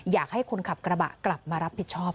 อยากให้คนขับกระบะกลับมารับผิดชอบ